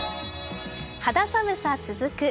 肌寒さ続く。